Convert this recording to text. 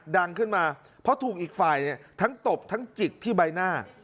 ดังขึ้นมาเพราะถูกอีกฝ่ายทั้งตบทั้งจิกที่ใบหน้า